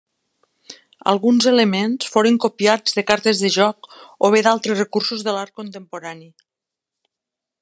Alguns elements foren copiats de cartes de joc, o bé d'altres recursos de l'art contemporani.